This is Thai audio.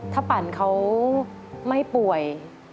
ถ้าปั่นเขาไม่ป่วย